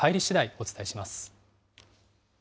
お伝えします。